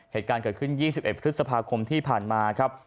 เหตุการณ์เกิดขึ้น๒๑พฤษภาคมที่ผ่านมาครับ